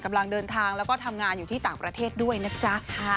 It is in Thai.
กำลังเดินทางแล้วก็ทำงานอยู่ที่ต่างประเทศด้วยนะจ๊ะ